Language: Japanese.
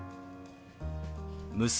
「娘」。